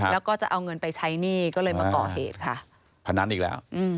แล้วก็จะเอาเงินไปใช้หนี้ก็เลยมาก่อเหตุค่ะ